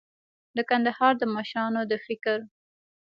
د کندهار د مشرانو د فکر